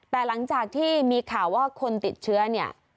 แต่หลังจากที่มีข่าวว่าคนติดเชื้อเนี่ย